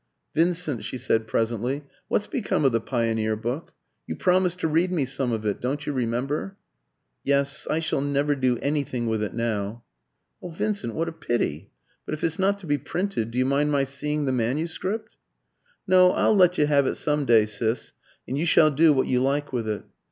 "Vincent," she said presently, "what's become of the Pioneer book? You promised to read me some of it don't you remember?" "Yes. I shall never do anything with it now." "Oh, Vincent, what a pity! But if it's not to be printed, do you mind my seeing the manuscript?" "No; I'll let you have it some day, Sis, and you shall do what you like with it."